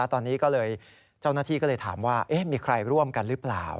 ตอนนี้ก็เลยเจ้าหน้าที่ก็เลยถามว่ามีใครร่วมกันหรือเปล่า